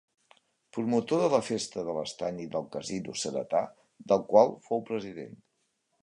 Promotor de la Festa de l’Estany i del Casino Ceretà, del qual fou president.